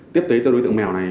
tiếp tế cho đối tượng mèo này